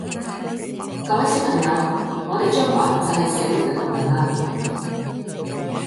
各位小朋友，我哋將來就係社會嘅棟樑啦